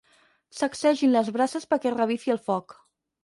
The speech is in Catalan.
Sacsegin les brases perquè revifi el foc.